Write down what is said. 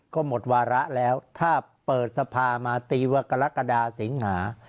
ก็หมดวาระแล้วถ้าเปิดสภามาตีว่ากรกฎาสิงหา